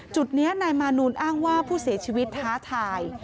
จุดนี้นายมานูลอ้างว่าผู้เสียชีวิตท้าทาย